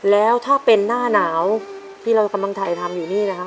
แล้วถ้าเป็นหน้าหนาวที่เรากำลังถ่ายทำอยู่นี่นะครับ